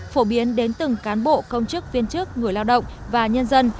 phổ biến đến từng cán bộ công chức viên chức người lao động và nhân dân